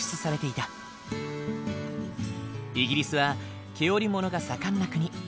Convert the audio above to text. イギリスは毛織物が盛んな国。